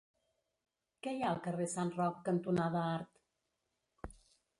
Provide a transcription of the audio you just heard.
Què hi ha al carrer Sant Roc cantonada Art?